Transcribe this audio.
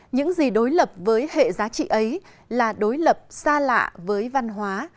những gì đối lập với hệ giá trị ấy là đối lập xa lạ với văn hóa